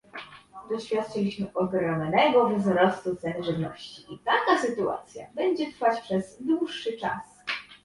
Doświadczyliśmy ogromnego wzrostu cen żywności i taka sytuacja będzie trwać przez dłuższy czas